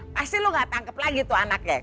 pasti lo gak tangkep lagi tuh anaknya